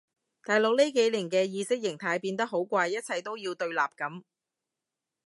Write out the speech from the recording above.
大陸呢幾年嘅意識形態變得好怪一切都要對立噉